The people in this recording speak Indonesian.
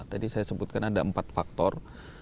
tadi saya sebutkan ada empat faktor